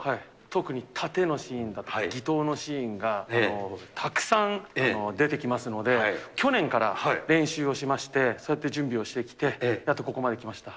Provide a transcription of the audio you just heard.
特にタテのシーンが、擬闘のシーンがたくさん出てきますので、去年から練習をしまして、そうやって準備をしてきて、やっとここまで来ました。